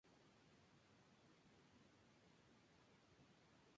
Estudió Dirección de Escena en la Academia de Música y Arte Dramático de Londres.